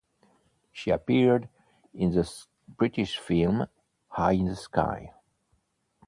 She appeared in the British film "Eye in the Sky".